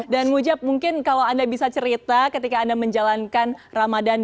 dan mujab mungkin kalau anda bisa cerita ketika anda menjalankan ramadan